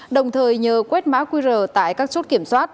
đồng thời nhờ quét mã qr tại các chốt kiểm soát